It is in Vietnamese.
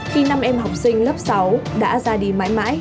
khi năm em học sinh lớp sáu đã ra đi mãi mãi